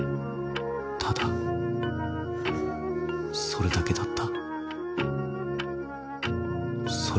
ただそれだけだった。